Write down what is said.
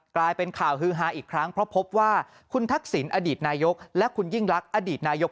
กลายเป็นข่าวฮือฮาอีกครั้งเพราะพบว่าคุณทักษิณอดีตนายกและคุณยิ่งรักอดีตนายก